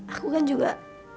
aku kan juga